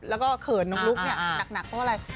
ลูกลูกเนี่ยหนักเพราะอะไร